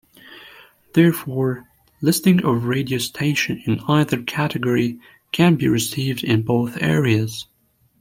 Therefore, listings of radio stations in either category can be received in both areas.